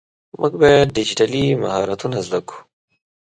مونږ باید ډيجيټلي مهارتونه زده کړو.